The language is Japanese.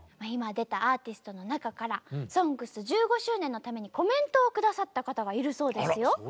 今出たアーティストの中から「ＳＯＮＧＳ」１５周年のためにコメントを下さった方がいるそうですよ。